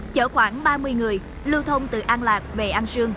chở khoảng ba mươi người lưu thông từ an lạc về an sương